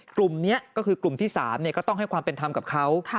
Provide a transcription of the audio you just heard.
กลุ่มนี้ก็คือกลุ่มที่๓ก็ต้องให้ความเป็นธรรมกับเขา